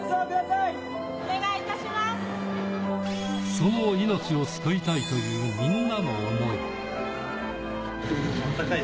その命を救いたいという、みんなの思い。